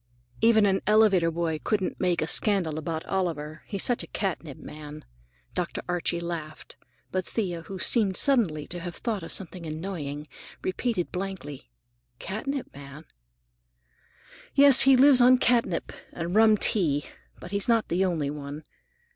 "Even an elevator boy couldn't make a scandal about Oliver. He's such a catnip man." Dr. Archie laughed, but Thea, who seemed suddenly to have thought of something annoying, repeated blankly, "Catnip man?" "Yes, he lives on catnip, and rum tea. But he's not the only one.